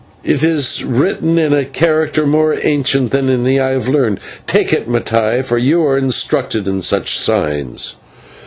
"It is written in a character more ancient than any I have learned. Take it, Mattai, for you are instructed in such signs."